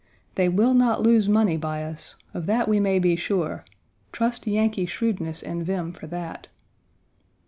They will not lose money by us. Of that we may be sure. Trust Yankee shrewdness and vim for that.